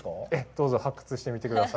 どうぞ、発掘してみてください。